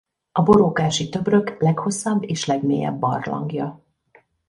A Borókási-töbrök leghosszabb és legmélyebb barlangja.